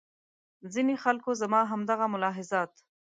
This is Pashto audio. ځینې خلکو زما همدغه ملاحظات.